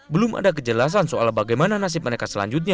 belum ada kejelasan soal bagaimana nasib mereka selanjutnya